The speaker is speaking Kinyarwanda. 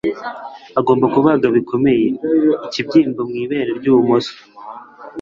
agomba kubaga bikomeye. ikibyimba mu ibere ryibumoso